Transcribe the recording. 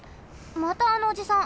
またあのおじさん。